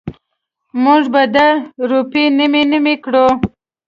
مونږ به دا روپۍ نیمې نیمې کړو.